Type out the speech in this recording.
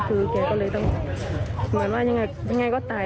คือแกก็เลยต้องเหมือนว่ายังไงก็ตาย